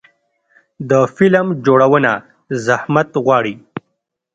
د فلم جوړونه زحمت غواړي.